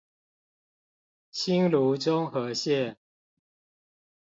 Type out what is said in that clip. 新蘆中和線